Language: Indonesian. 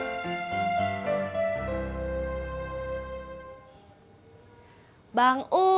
coney primum langsung aja libuch